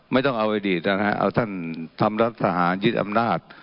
ไม่ต้องเอาอดีตนะฮะเอาท่านทำรัฐทหารยึดอำนาจ